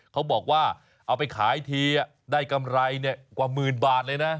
เขาบอกว่าเอาไปขายทีได้กำไรกว่าหมื่นบาทเลยนะ